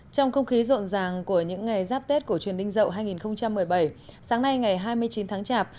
trong không khí rộn ràng của những ngày giáp tết của truyền ninh dậu hai nghìn một mươi bảy sáng nay ngày hai mươi chín tháng chạp